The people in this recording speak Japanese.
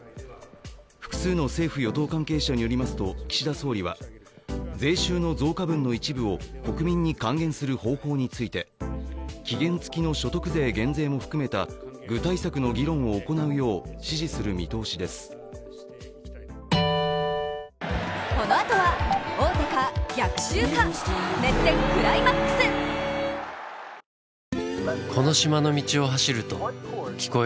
複数の政府・与党関係者によりますと、岸田総理は税収の増加分の一部を国民に還元する方法について期限付きの所得税減税も含めた具体策の議論を行うよう海鮮丼マシマシで！